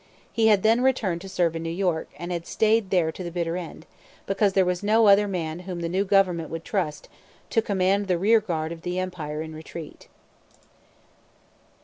He had then returned to serve in New York, and had stayed there to the bitter end, because there was no other man whom the new government would trust to command the rearguard of the Empire in retreat.